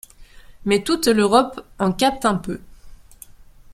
Mais toute l'Europe en capte un peu.